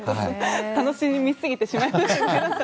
楽しみすぎてしまいました。